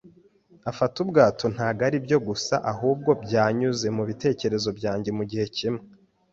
afata ubwato. Ntabwo aribyo gusa, ahubwo byanyuze mubitekerezo byanjye mugihe kimwe